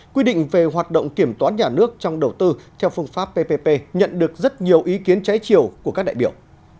quy định về hoạt động kiểm toán nhà nước trong đầu tư theo phương pháp ppp nhận được rất nhiều ý kiến trái chiều của các đại biểu